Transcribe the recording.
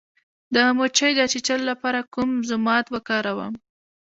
د مچۍ د چیچلو لپاره کوم ضماد وکاروم؟